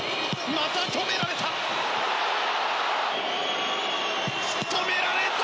また止められた。